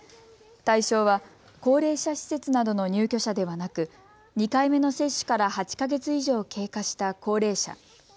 対象は高齢者施設などの入居者ではなく２回目の接種から８か月以上経過した高齢者。